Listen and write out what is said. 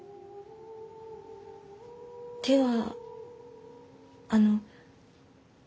ではあの。